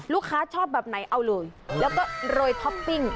ชอบแบบไหนเอาเลยแล้วก็โรยท็อปปิ้ง